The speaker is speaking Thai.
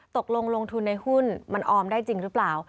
ตกลงลงทุนในหุ้นมันออมได้จริงหรือเปล่า